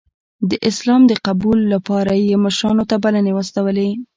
د اسلام د قبول لپاره یې مشرانو ته بلنې واستولې.